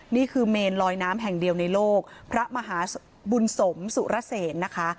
นี่คือเมนลอยน้ำแห่งเดียวในโลกพระมหาบุญสมสุรเสนนะคะ